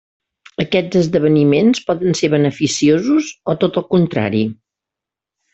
Aquests esdeveniments poden ser beneficiosos o tot al contrari.